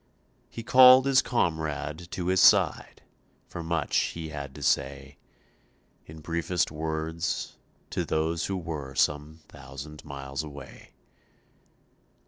He called his comrade to his side, For much he had to say, In briefest words to those who were Some thousand miles away.